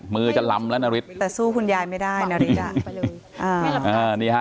มือจะลำแล้วนาฤทแต่สู้คุณยายไม่ได้นาฤทอ่านี่ฮะ